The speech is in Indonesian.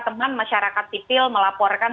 teman masyarakat sipil melaporkan